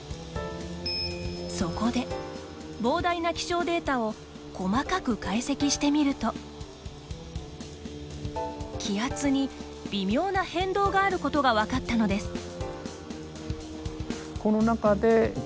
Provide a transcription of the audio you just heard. そこで、膨大な気象データを細かく解析してみると気圧に微妙な変動があることが分かったのです。